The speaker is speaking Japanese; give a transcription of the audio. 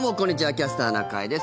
「キャスターな会」です。